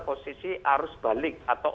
posisi arus balik atau